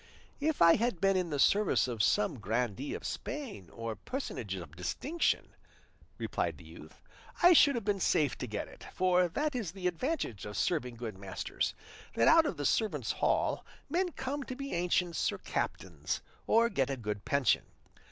"If I had been in the service of some grandee of Spain or personage of distinction," replied the youth, "I should have been safe to get it; for that is the advantage of serving good masters, that out of the servants' hall men come to be ancients or captains, or get a good pension.